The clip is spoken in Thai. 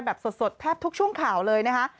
แบบสดแทบทุกช่วงข่าวเลยนะคะ